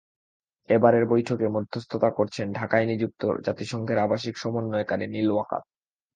এবারের বৈঠকে মধ্যস্থতা করছেন ঢাকায় নিযুক্ত জাতিসংঘের আবাসিক সমন্বয়কারী নিল ওয়াকার।